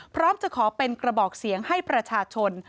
พร้อมจะขอเป็นกระบอกเสียงให้ประชาชน